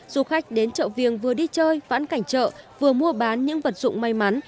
du khách đến chợ viềng vừa đi chơi vãn cảnh chợ vừa mua bán những vật dụng may mắn